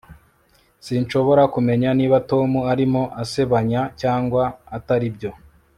Sinshobora kumenya niba Tom arimo asebanya cyangwa ataribyo